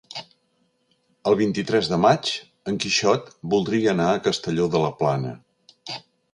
El vint-i-tres de maig en Quixot voldria anar a Castelló de la Plana.